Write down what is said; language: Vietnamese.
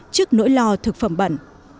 trước nỗi lo thực phẩm bẩn